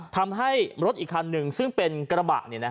ทำให้รถอีกคันหนึ่งซึ่งเป็นกระบะ